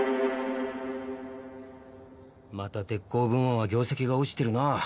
また鉄鋼部門は業績が落ちてるな。